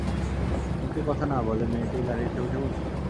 মুখে কথা না বলে মেয়েটি গাড়িতে উঠে বসল।